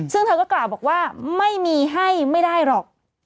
ซึ่งเธอก็กล่าวบอกว่าไม่มีให้ไม่ได้หรอก